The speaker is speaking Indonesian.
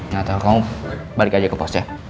gak tau kamu balik aja ke pos ya